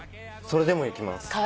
それでも行きます。